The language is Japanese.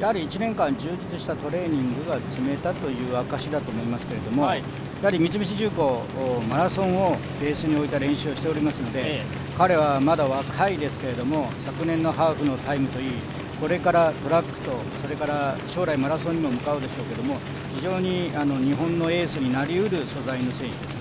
１年間充実したトレーニングが詰めたという証しだと思いますけれども、三菱重工、マラソンをベースに置いた練習をしていますので彼はまだ若いですけども、昨年のハーフのタイムといい、これからトラックと将来マラソンにも向かうでしょうけれども、非常に日本のエースになりうる素材の選手ですね。